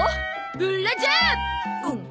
ブ・ラジャー！